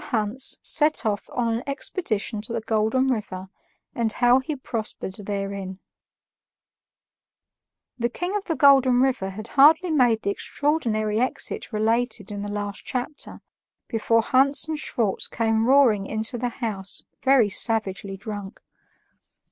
HANS SET OFF ON AN EXPEDITION TO THE GOLDEN RIVER, AND HOW HE PROSPERED THEREIN The King of the Golden River had hardly made the extraordinary exit related in the last chapter, before Hans and Schwartz came roaring into the house very savagely drunk.